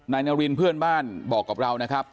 นายนารินเพื่อนบ้านบอกกับเรานะครับ